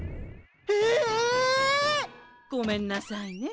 えっ！ごめんなさいね。